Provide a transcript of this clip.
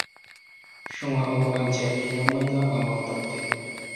شۇڭا ئۇ ئانچە قىينالمايلا ئامال تاپتى.